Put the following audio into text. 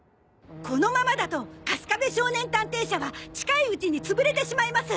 このままだとカスカベ少年探偵社は近いうちに潰れてしまいます！